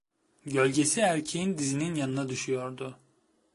Gölgesi erkeğin dizinin yanına düşüyordu.